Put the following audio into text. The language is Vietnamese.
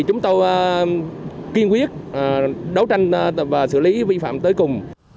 đối tranh và xử lý vi phạm tới cùng